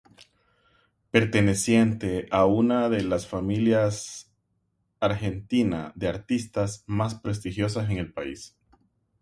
Perteneciente a una de las familias argentina de artistas más prestigiosas en el país.